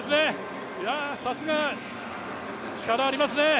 いやさすが、力ありますね！